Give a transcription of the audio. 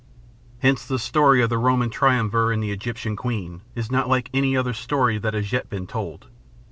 Hence the story of the Roman triumvir and the Egyptian queen is not like any other story that has yet been told.